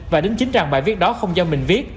và đính chính rằng bài viết đó không do mình viết